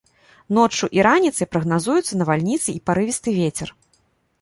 Ноччу і раніцай прагназуюцца навальніцы і парывісты вецер.